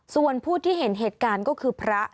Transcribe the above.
ส่วนผู้ที่เห็นเหตุการณ์ก็คือพระ